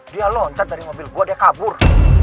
dia loncat dari mobil gua dia kabur